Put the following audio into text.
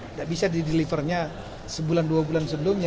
tidak bisa didelivernya sebulan dua bulan sebelumnya